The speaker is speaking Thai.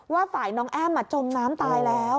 ว่าฝ่ายน้องแอ้มจมน้ำตายแล้ว